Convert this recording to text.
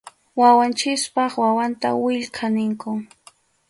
Wawanchikpa wawanta willka ninkum.